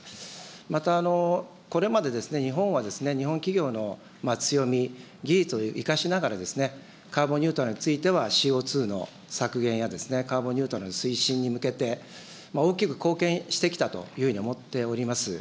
また、これまで日本は日本企業の強み、技術を生かしながら、カーボンニュートラルについては、ＣＯ２の削減やカーボンニュートラルの推進に向けて、大きく貢献してきたと思っております。